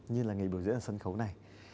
như là nghề biểu diễn ở sân khấu này